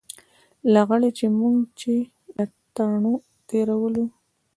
لغړی چې موږ یې له تاڼو تېرولو.